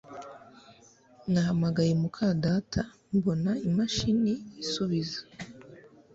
Nahamagaye muka data mbona imashini isubiza